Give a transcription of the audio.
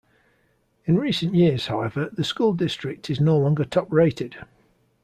In recent years, however, the school district is no longer top rated.